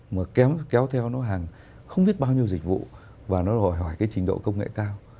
mà kéo theo nó hàng không biết bao nhiêu dịch vụ và nó đòi hỏi cái trình độ công nghệ cao